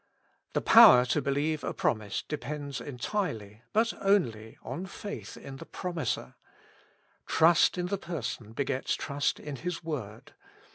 The power to believe a promise depends entirely, but only, on faith in ike promiser. Trust in the person begets trust in his word.